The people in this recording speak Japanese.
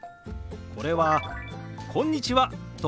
これは「こんにちは」と同じ手話。